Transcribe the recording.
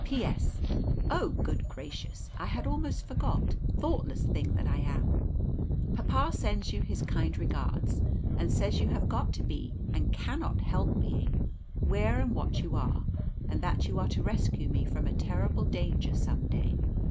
"P.S. Oh, good gracious! I had almost forgot thoughtless thing that I am. Papa sends you his kind regards, and says you have got to be, and cannot help being, where and what you are; and that you are to rescue me from a terrible danger some day.